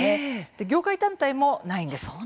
業界団体もないんです。